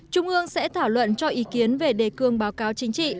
trung ương sẽ thảo luận cho ý kiến về đề cương báo cáo chính trị